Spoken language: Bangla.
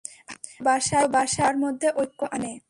ভালোবাসাই সবার মধ্যে ঐক্য আনে।